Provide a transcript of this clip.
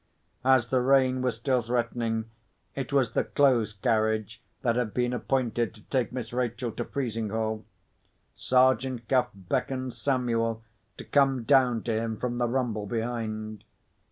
As the rain was still threatening, it was the close carriage that had been appointed to take Miss Rachel to Frizinghall. Sergeant Cuff beckoned Samuel to come down to him from the rumble behind.